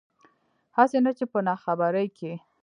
هسې نه چې پۀ ناخبرۍ کښې